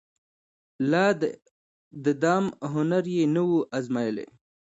لا د دام هنر یې نه وو أزمېیلی